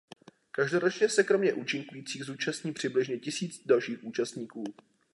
Každoročně se kromě účinkujících zúčastní přibližně tisíc dalších účastníků.